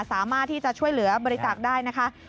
สามารถที่จะช่วยเหลือบริตักได้๐๒๐๑๖๒๔๒๒๖๖๙